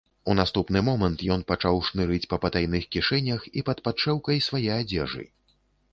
У наступны момант ён пачаў шнырыць па патайных кішэнях і пад падшэўкай свае адзежы.